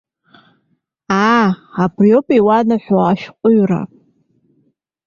Аа, абри ауп иуанаҳәо ашәҟәыҩҩра.